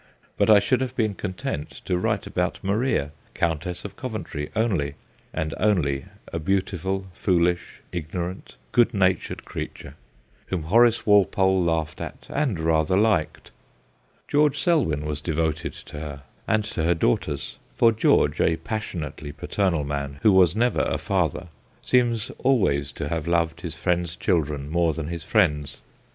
But I should have been con tent to write about Maria, Countess of Coventry only, and only a beautiful, foolish, ignorant, good natured creature, whom Horace Walpole laughed at and rather liked. George Selwyn was devoted to her and to her daughters ; for George, a passionately paternal man who was never a father, seems always to have loved his friends' children more than his friends.